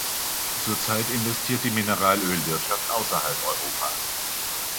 Zur Zeit investiert die Mineralölwirtschaft außerhalb Europas.